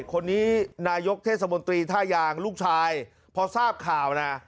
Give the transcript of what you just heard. คนนี้นายกเทศมนตรีท่ายางลูกชายพอทราบข่าวนะ